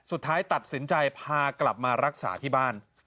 สุดท้ายตัดสินใจพากลับมารักษาที่บ้าน